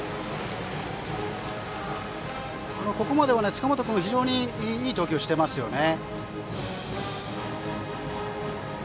ここまで塚本君非常にいい投球していますね。